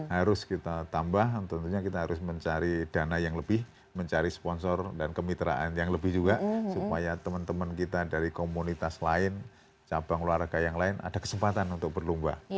harus kita tambah tentunya kita harus mencari dana yang lebih mencari sponsor dan kemitraan yang lebih juga supaya teman teman kita dari komunitas lain cabang olahraga yang lain ada kesempatan untuk berlomba